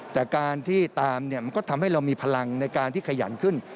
แต่การที่ตามเนี่ยมันก็ทำให้เรามีพลังในการที่ขยันขึ้น